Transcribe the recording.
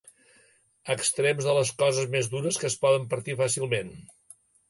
Extrems de les coses més dures que es poden partir fàcilment.